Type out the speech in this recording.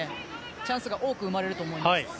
チャンスが多く生まれると思います。